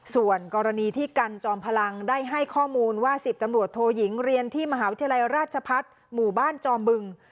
ส่วนกรณีที่กันจอมพลังได้ให้ข้อมูลว่า๑๐ตำรวจโทยิงเรียนที่มหาวิทยาลัยราชพัฒน์หมู่บ้านจอมบึง